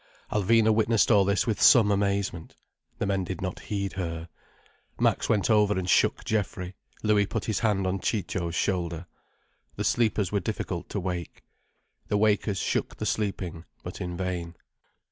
Alvina witnessed all this with some amazement. The men did not heed her. Max went over and shook Geoffrey, Louis put his hand on Ciccio's shoulder. The sleepers were difficult to wake. The wakers shook the sleeping, but in vain.